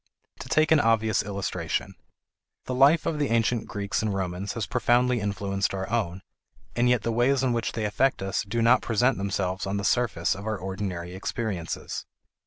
To take an obvious illustration: The life of the ancient Greeks and Romans has profoundly influenced our own, and yet the ways in which they affect us do not present themselves on the surface of our ordinary experiences.